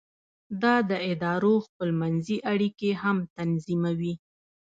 دا د ادارو خپل منځي اړیکې هم تنظیموي.